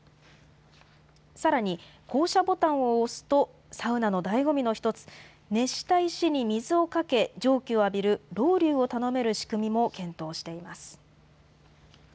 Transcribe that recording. さらに、降車ボタンを押すと、サウナのだいご味の一つ、熱した石に水をかけ、蒸気を浴びるロウリュを頼める仕組みも検討しています。